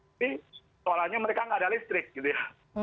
tapi soalannya mereka nggak ada listrik gitu ya